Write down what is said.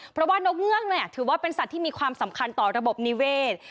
เพราะว่านกเงือกถือว่าเป็นสัตว์ที่มีความสำคัญต่อระบบนิเวศ